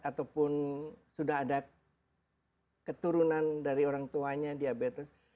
ataupun sudah ada keturunan dari orang tuanya diabetes